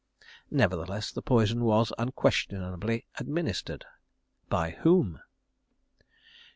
Nevertheless the poison was unquestionably administered. By whom?